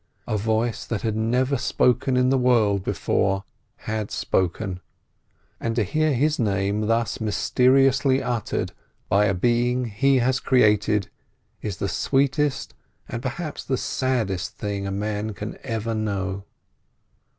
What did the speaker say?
A voice that had never spoken in the world before, had spoken; and to hear his name thus mysteriously uttered by a being he has created, is the sweetest and perhaps the saddest thing a man can ever know.